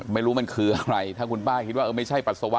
ไม่รู้มันคืออะไรถ้าคุณป้าคิดว่าเออไม่ใช่ปัสสาวะ